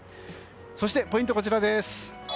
そしてポイントはこちらです。